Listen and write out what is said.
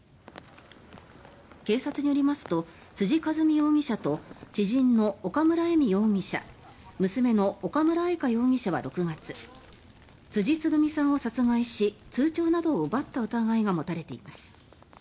警察によりますと辻和美容疑者と知人の岡村恵美容疑者娘の岡村愛香容疑者は６月辻つぐみさんを殺害し通帳などを奪った疑いが持たれています。